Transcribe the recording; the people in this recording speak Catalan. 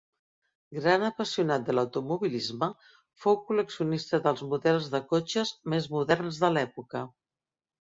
Gran apassionat de l'automobilisme, fou col·leccionista dels models de cotxes més moderns de l'època.